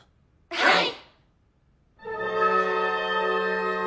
はい！